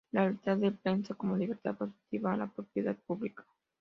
La libertad de prensa como libertad positiva a la propiedad pública.